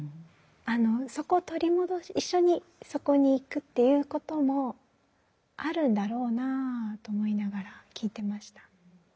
そこを取り戻し一緒にそこに行くっていうこともあるんだろうなあと思いながら聞いてました。